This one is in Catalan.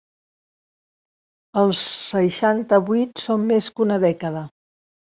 El seixanta-vuit són més que una dècada.